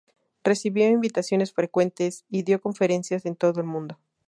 Recibió invitaciones frecuentes y dio conferencias en todo el mundo.